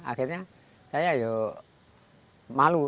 akhirnya saya malu